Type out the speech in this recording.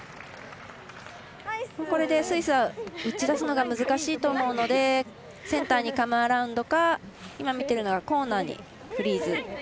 これでスイスは打ち出すのが難しいと思うのでセンターにカムアラウンドか今、見ているのがコーナーにフリーズ。